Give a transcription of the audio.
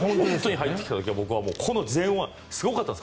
入ってきた時にこの前腕、すごかったです。